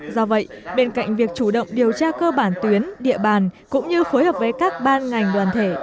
do vậy bên cạnh việc chủ động điều tra cơ bản tuyến địa bàn cũng như phối hợp với các ban ngành đoàn thể